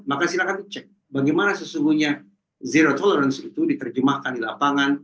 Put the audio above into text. maka silahkan dicek bagaimana sesungguhnya zero tolerance itu diterjemahkan di lapangan